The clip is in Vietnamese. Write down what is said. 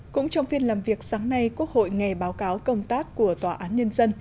cũng trong phiên làm việc sáng nay quốc hội nghe báo cáo công tác của tòa án nhân dân